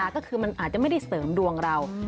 ก็คือมันอาจจะไม่ได้เสริมดวงเรา